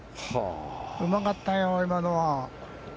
うまかったよ、今のは。